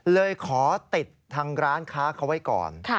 เลยขอติดทางร้านค้าเขาไว้ก่อน